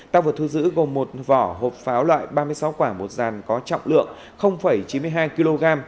tăng vật thu giữ gồm một vỏ hộp pháo loại ba mươi sáu quả một dàn có trọng lượng chín mươi hai kg